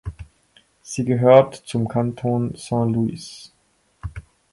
Sie gehört zum Kanton Saint-Louis.